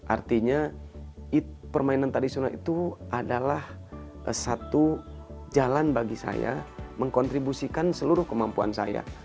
artinya permainan tradisional itu adalah satu jalan bagi saya mengkontribusikan seluruh kemampuan saya